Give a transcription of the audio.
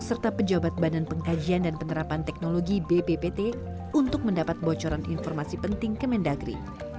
serta pejabat badan pengkajian dan penerapan teknologi bppt untuk mendapat bocoran informasi penting ke mendagri